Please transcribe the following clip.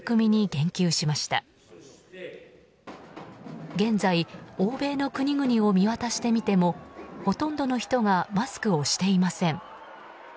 現在、欧米の国々を見渡してみてもほとんどの人がマスクをしていません。